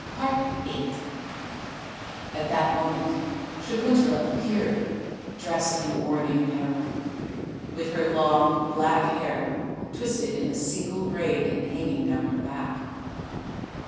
VIII At that moment Sakuntala appeared, dressed in mourning apparel, with her long black hair twisted in a single braid and hanging down her back.